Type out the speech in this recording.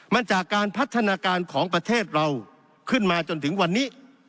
มันจากการพัฒนาการของประเทศเราขึ้นมาจนถึงวันนี้